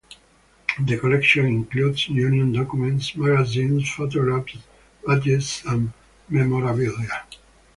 The collection includes union documents, magazines, photographs, badges and memorabilia.